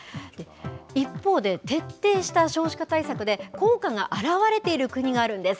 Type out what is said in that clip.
一方で、徹底した少子化対策で、効果が表れている国があるんです。